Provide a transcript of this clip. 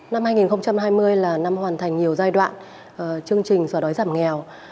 năm hai nghìn hai mươi là năm hoàn thành nhiều giai đoạn chương trình xóa đói giảm nghèo